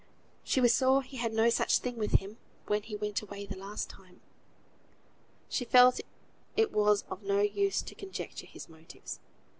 She was sure he had no such thing with him when he went away the last time. She felt it was of no use to conjecture his motives.